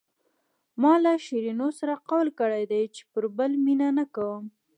ما له شیرینو سره قول کړی چې پر بل مینه نه کوم.